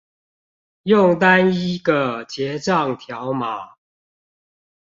用單一個結帳條碼